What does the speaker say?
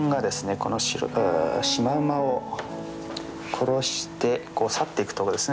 このシマウマを殺して去っていくとこですね